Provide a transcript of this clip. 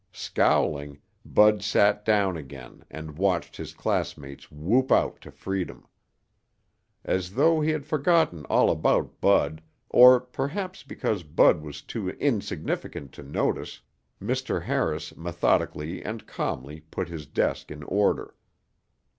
Scowling, Bud sat down again and watched his classmates whoop out to freedom. As though he had forgotten all about Bud or perhaps because Bud was too insignificant to notice, Mr. Harris methodically and calmly put his desk in order.